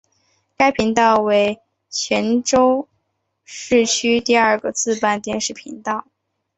该频道为泉州市区第二个自办电视频道。